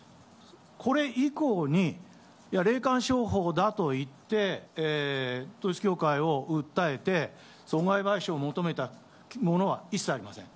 これ以降に霊感商法だと言って統一教会を訴えて、損害賠償を求めたものは一切ありません。